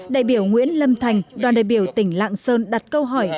đại biểu nguyễn lâm thành đoàn đại biểu tỉnh lạng sơn đặt câu hỏi